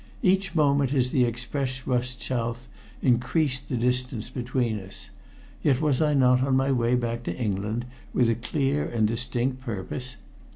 Each moment as the express rushed south increased the distance between us, yet was I not on my way back to England with a clear and distinct purpose?